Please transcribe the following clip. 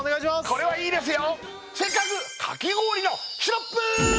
これはいいですよ